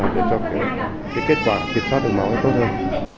để cho kết quả kiểm soát được máu tốt hơn